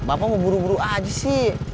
bapak mau buru buru aja sih